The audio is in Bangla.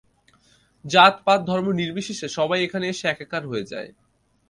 যাত পাত ধর্ম বর্ণ নির্বিশেষে সবাই এখানে এসে একাকার হয়ে যায়।